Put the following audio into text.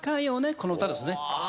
この歌ですね。